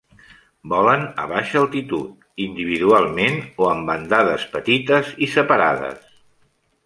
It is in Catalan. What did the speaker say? Volen a baixa altitud, individualment o en bandades petites i separades.